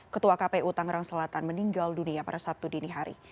ketua kpu tangerang selatan meninggal dunia pada sabtu dini hari